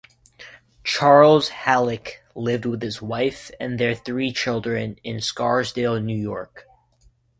Charles Hallac lived with his wife and their three children in Scarsdale, New York.